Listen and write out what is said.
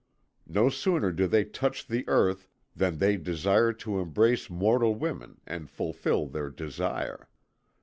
No sooner do they touch the earth than they desire to embrace mortal women and fulfil their desire.